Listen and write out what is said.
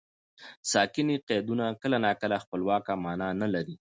ساکني قیدونه کله ناکله خپلواکه مانا نه لري.